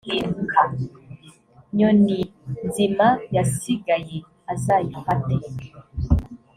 nyoni nzima yasigaye azayifate